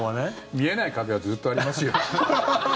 見えない壁はずっとありますよ。